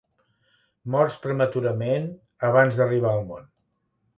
Morts prematurament, abans d'arribar al món.